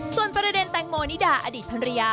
ส่วนประเด็นแตงโมนิดาอดีตภรรยา